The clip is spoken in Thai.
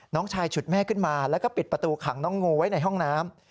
น้องชายฉุดแม่ขึ้นมาแล้วก็ปิดประตูขังน้องงูไว้ในห้องน้ำ